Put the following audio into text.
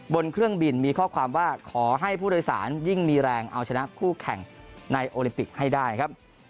บนเครื่องบินมีข้อความว่าขอให้ผู้โดยสารยิ่งมีแรงเอาชนะคู่แข่งในโอลิมปิกให้ได้ครับ